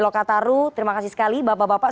lokataru terima kasih sekali bapak bapak